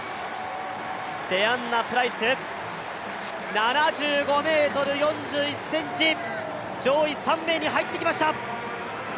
デアンナプライス、７５ｍ４２ｃｍ、上位３名に入ってきました。